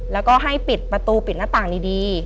แล้วก็ให้ปิดประตูปิดหน้าต่างดี